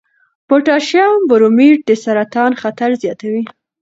پوټاشیم برومیټ د سرطان خطر زیاتوي.